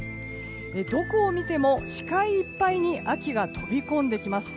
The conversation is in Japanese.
どこを見ても視界いっぱいに秋が飛び込んできます。